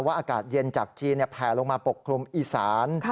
อากาศเย็นจากจีนแผลลงมาปกคลุมอีสาน